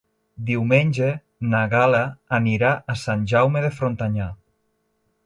Diumenge na Gal·la anirà a Sant Jaume de Frontanyà.